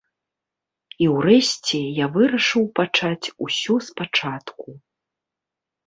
І ўрэшце я вырашыў пачаць усё спачатку.